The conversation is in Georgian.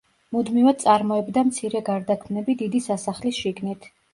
მუდმივად წარმოებდა მცირე გარდაქმნები დიდი სასახლის შიგნით.